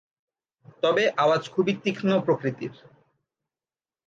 তবে আওয়াজ খুবই তীক্ষ্ণ প্রকৃতির।